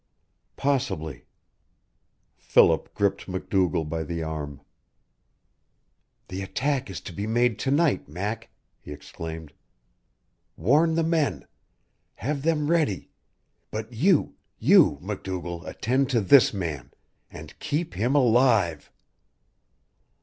"Possibly." Philip gripped MacDougall by the arm. "The attack is to be made to night, Mac," he exclaimed. "Warn the men. Have them ready. But you YOU, MacDougall, attend to this man, AND KEEP HIM ALIVE!"